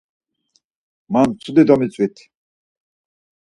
Man mtsudi domitzvit.